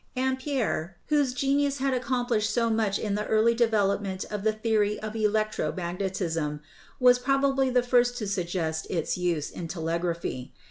"Ampere, whose genius had accomplished so much in the early development of the theory of electro magnetism, was probably the first to suggest its use in telegraphy.